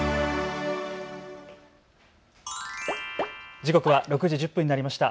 時刻は６時１０分になりました。